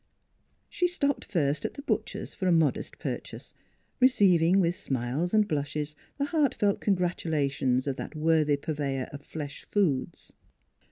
She stopped first at the butcher's for a modest purchase, receiving with smiles and blushes the heartfelt congratulations of that worthy purveyor of flesh foods.